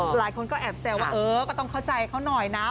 หลายคนก็แอบแซวว่าเออก็ต้องเข้าใจเขาหน่อยนะ